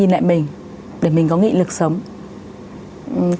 để mình có nghị lực sống và bước qua những cái chuyện đó thế nào